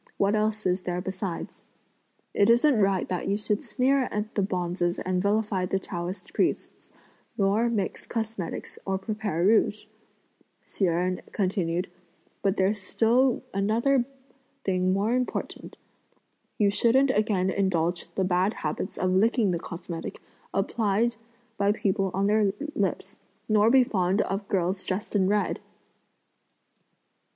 What else is there besides?" "It isn't right that you should sneer at the bonzes and vilify the Taoist priests, nor mix cosmetics or prepare rouge," Hsi Jen continued; "but there's still another thing more important, you shouldn't again indulge the bad habits of licking the cosmetic, applied by people on their lips, nor be fond of (girls dressed) in red!"